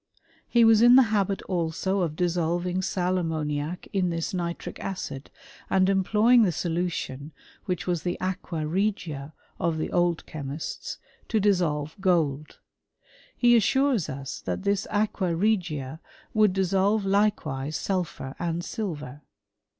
He was in the habit also of dissolving sal ammoniac in this nitric acid, and employing the solu tion, which was the aqua regia of the old chemists, to dissolve gold. % He assures us that this aqua regia would dissolve likewise sulphur and silver.